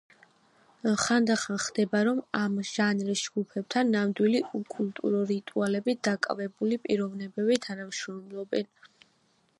ხანდახან ხდება, რომ ამ ჟანრის ჯგუფთან ნამდვილი ოკულტური რიტუალებით დაკავებული პიროვნებები თანამშრომლობენ.